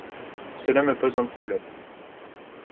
Cela me pose un problème.